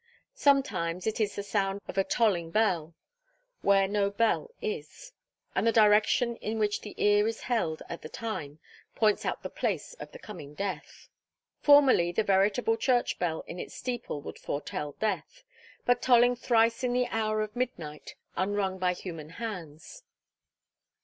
Sometimes it is the sound of a tolling bell, where no bell is; and the direction in which the ear is held at the time points out the place of the coming death. Formerly the veritable church bell in its steeple would foretell death, by tolling thrice at the hour of midnight, unrung by human hands.